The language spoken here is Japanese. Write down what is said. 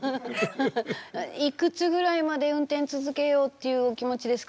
いくつぐらいまで運転続けようっていうお気持ちですか？